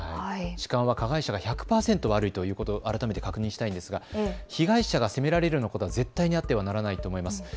痴漢は加害者が１００％悪いということ、改めて確認したいんですが、被害者が責められるようなことは絶対にあってはならないと思います。